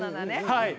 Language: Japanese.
はい。